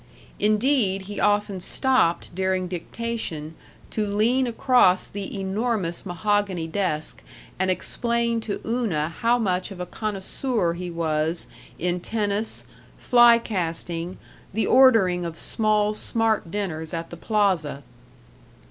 Indeed, he often stopped during dictation to lean across the enormous mahogany desk and explain to Una how much of a connoisseur he was in tennis, fly casting, the ordering of small, smart dinners at the Plaza.